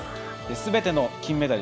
すべての金メダル